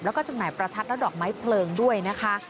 แล้วก็จำหน่ายประทัดและดอกไม้เพลิงด้วยนะคะ